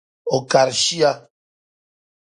O kari shia.